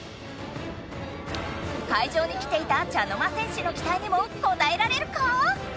会場に来ていた茶の間戦士のきたいにもこたえられるか！